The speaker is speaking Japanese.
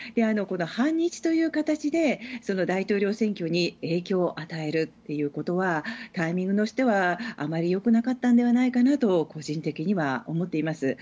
反日という形で大統領選挙に影響を与えるということはタイミングとしてはあまり良くなかったのではないかと個人的には思っています。